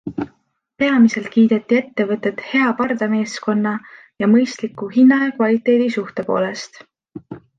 Peamiselt kiideti ettevõtet hea pardameeskonna ja mõistliku hinna ja kvaliteedi suhte poolest.